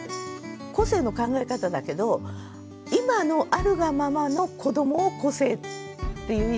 個性の考え方だけど今のあるがままの子どもを個性っていう表現もあると思うんですよね。